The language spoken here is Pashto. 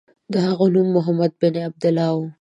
د هغه نوم محمد بن عبدالله و.